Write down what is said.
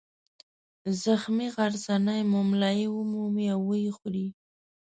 زخمي غرڅنۍ مُملایي ومومي او ویې خوري.